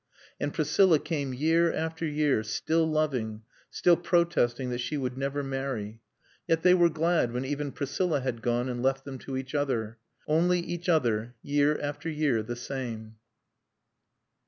And Priscilla came year after year, still loving, still protesting that she would never marry. Yet they were glad when even Priscilla had gone and left them to each other. Only each other, year after year the same.